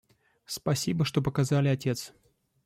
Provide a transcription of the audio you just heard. Спасибо, что показали, отец.